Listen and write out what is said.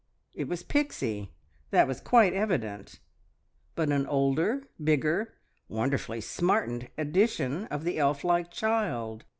It was Pixie that was quite evident but an older, bigger, wonderfully smartened edition of the elf like child.